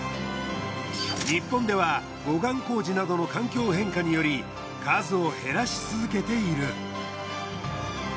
日本では護岸工事などの環境変化により数を減らし続けている。